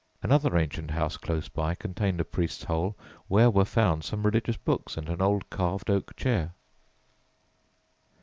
Another ancient house close by contained a priest's hole where were found some religious books and an old carved oak chair.